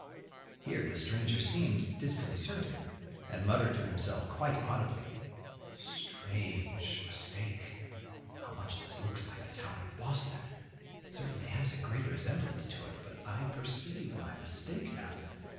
Here the stranger seemed disconcerted, and muttered to himself quite audibly: "Strange mistake! How much this looks like the town of Boston! It certainly has a great resemblance to it; but I perceive my mistake now.